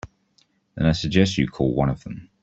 Then I suggest you call one of them.